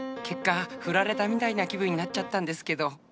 結果フラれたみたいな気分になっちゃたんですけど。